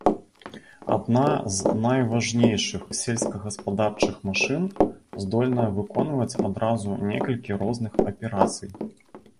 Адна з найважнейшых сельскагаспадарчых машын, здольная выконваць адразу некалькі розных аперацый.